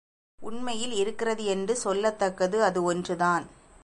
உண்மையில் இருக்கிறது என்று சொல்லத் தக்கது அது ஒன்று தான்.